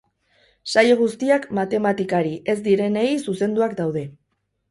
Saio guztiak matematikari ez direnei zuzenduak daude.